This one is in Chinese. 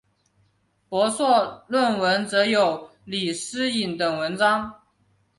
博硕士论文则有李诗莹等文章。